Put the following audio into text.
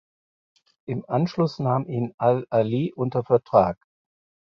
Im Anschluss nahm ihn Al Ahly unter Vertrag.